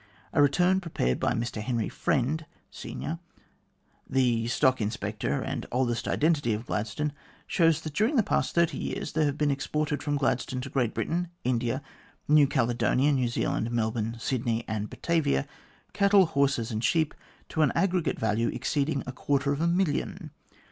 A return prepared by Mr Henry Friend, senior, the stock inspector and oldest identity of Gladstone, shows that during the past thirty years there have been exported from Gladstone to Great Britain, India, New Caledonia, New Zealand, Melbourne, Sydney, and Batavia, cattle, horses, and sheep, to an aggregate value exceeding a quarter of a million.